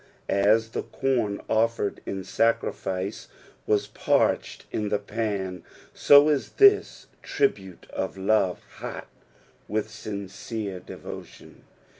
As the com offered in samSce was parched in the pan, so is this tribute of love hot with sincere devotion.